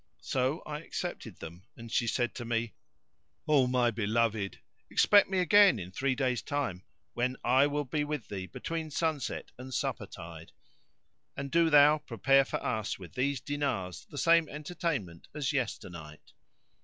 So I accepted them and she said to me, "O my beloved! expect me again in three days' time, when I will be with thee between sunset and supper tide; and do thou prepare for us with these dinars the same entertainment as yesternight."